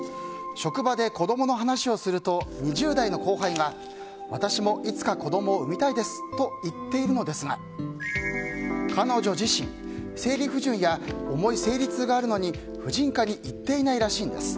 職場で子供の話をすると２０代の後輩は私もいつか子供を産みたいですと言っているのですが彼女自身、生理不順や重い生理痛があるのに婦人科に行っていないらしいんです。